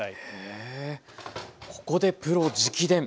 ここで「プロ直伝！」。